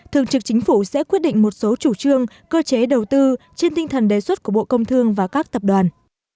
thường trực chính phủ sẽ quyết định một số chủ trương cơ chế đầu tư trên tinh thần đề xuất của bộ công thương và các tập đoàn